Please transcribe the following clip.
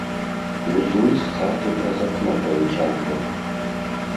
Вузлы з хаты праз акно павыцягваў.